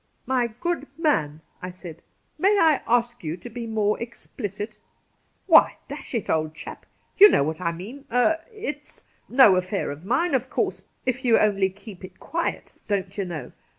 ' My good man,' I said, * may I ask you to be more explicit V ' Why, dash it aU, old chap ! you know what I mean — er. It's no affair of mine, of course, if you only keep it quiet, don't you know.